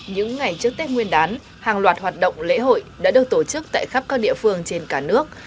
những ngày trước tết nguyên đán hàng loạt hoạt động lễ hội đã được tổ chức tại khắp các địa phương trên cả nước